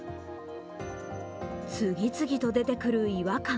次々と出てくる違和感。